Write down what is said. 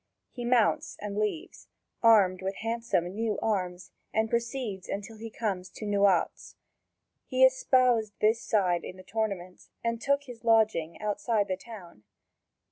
He mounts and leaves, armed with handsome, new arms, and proceeds until he comes to Noauz. He espoused this side in the tournament, and took his lodging outside the town.